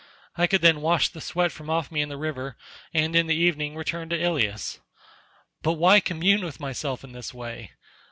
I could then wash the sweat from off me in the river and in the evening return to Ilius. But why commune with myself in this way?